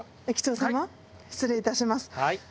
駅長様失礼いたします。